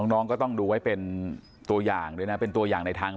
น้องก็ต้องดูไว้เป็นตัวอย่างด้วยนะเป็นตัวอย่างในทาง